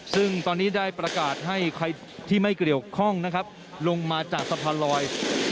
ซึ่งตอนนี้ได้ประกาศให้ใครที่ไม่เกี่ยวข้องนะครับลงมาจากสะพานลอย